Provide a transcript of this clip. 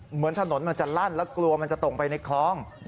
เหมือนถนนมันจะลั่นแล้วกลัวมันจะตกไปในคลอง